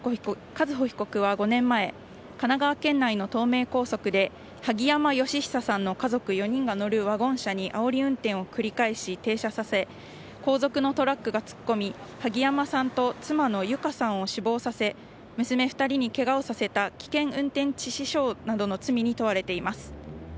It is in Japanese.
和歩被告は５年前神奈川県内の東名高速で萩山嘉久さんの家族４人が乗るワゴン車にあおり運転を繰り返し停車させ後続のトラックが突っ込み萩山さんと妻の友香さんを死亡させ娘２人にケガをさせた危険運転致死傷などの罪に問われています。